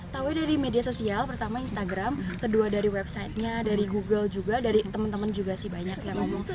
tahunya dari media sosial pertama instagram kedua dari websitenya dari google juga dari teman teman juga sih banyak yang ngomong